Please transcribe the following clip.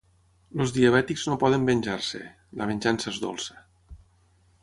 Els diabètics no poden venjar-se: la venjança és dolça.